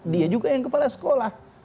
dia juga yang kepala sekolah